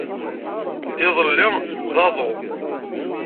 Iḍelli d aḍu.